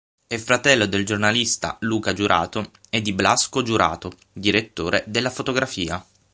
È fratello del giornalista Luca Giurato e di Blasco Giurato, direttore della fotografia.